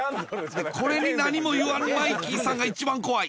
これに何も言わないマイキーさんが一番怖い。